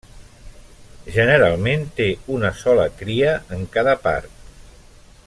Generalment té una sola cria en cada part.